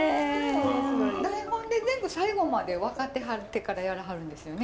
台本で全部最後まで分かってはってからやらはるんですよね